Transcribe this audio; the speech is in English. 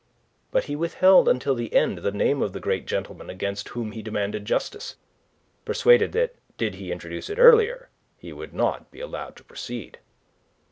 But he withheld until the end the name of the great gentleman against whom he demanded justice, persuaded that did he introduce it earlier he would not be allowed to proceed.